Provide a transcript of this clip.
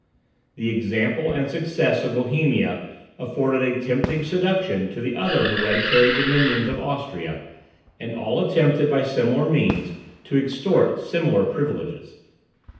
The example and success of Bohemia afforded a tempting seduction to the other hereditary dominions of Austria, and all attempted by similar means to extort similar privileges.